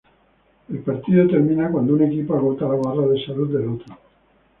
El partido termina cuando un equipo agota la barra de salud del otro.